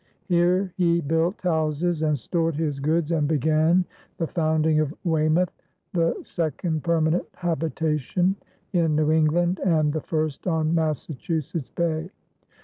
Here he built houses and stored his goods and began the founding of Weymouth, the second permanent habitation in New England and the first on Massachusetts Bay.